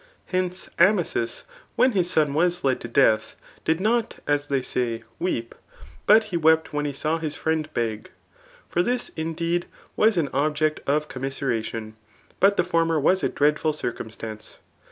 Hence, . Amasis, > when, his son was rJefl. to jdeatti, did not».' asithey say, weep ; bDthe^wept wHeri^he saw his friandibeg. For this, indeed, i¥as anxhjeoto^' com* miseration, but the former was a dreadful ckcuntstance.